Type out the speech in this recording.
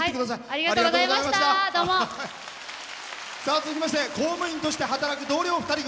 続きまして公務員として働く同僚２人組。